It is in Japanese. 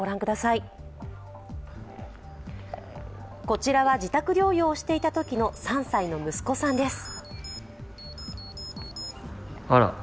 こちらは自宅療養していたときの３歳の息子さんです。